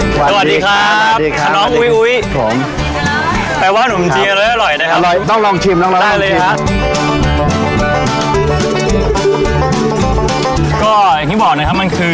สวัสดีครับขน้องอุ๊ย